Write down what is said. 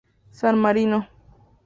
San Marino.